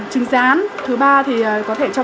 trứng rán thứ ba thì có thể cho